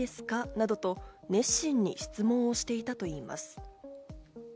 などと熱心に質問をしていたといいます。